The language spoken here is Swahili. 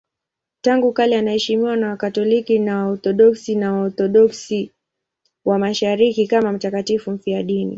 Tangu kale anaheshimiwa na Wakatoliki, Waorthodoksi na Waorthodoksi wa Mashariki kama mtakatifu mfiadini.